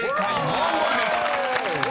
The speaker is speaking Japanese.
「モンゴル」です］